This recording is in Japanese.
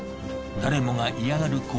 誰もが嫌がる